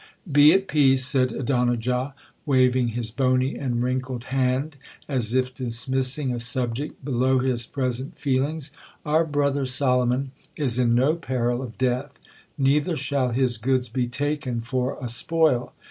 'Be at peace,' said Adonijah, waving his bony and wrinkled hand, as if dismissing a subject below his present feelings, 'our brother Solomon is in no peril of death; neither shall his goods be taken for a spoil.